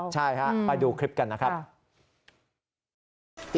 ใช่ฮะไปดูคลิปกันนะครับ